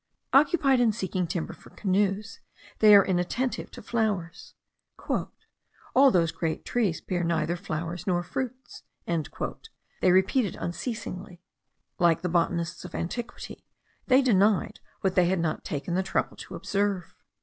Occupied in seeking timber for canoes, they are inattentive to flowers. "All those great trees bear neither flowers nor fruits," they repeated unceasingly. Like the botanists of antiquity, they denied what they had not taken the trouble to observe.